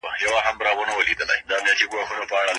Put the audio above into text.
د بې وزلو برخه په مال کي ثابته ده.